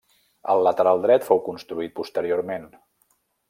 El lateral dret fou construït posteriorment.